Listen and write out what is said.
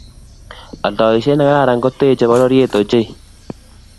oldoishet ne kararan ko techee pororiet ochei